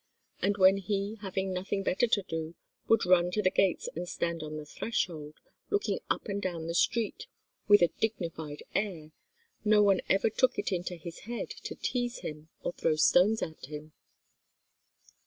And when he, having nothing better to do, would run to the gates and stand on the threshold, looking up and down the street with a dignified air, no one ever took it into his head to tease him or throw stones at him.